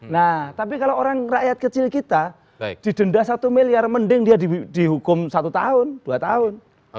nah tapi kalau orang rakyat kecil kita didenda satu miliar mending dia dihukum satu tahun dua tahun